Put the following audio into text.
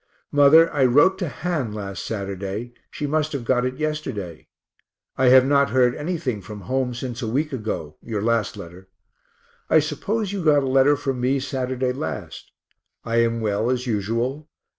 Mother, I wrote to Han last Saturday she must have got it yesterday. I have not heard anything from home since a week ago (your last letter). I suppose you got a letter from me Saturday last. I am well as usual.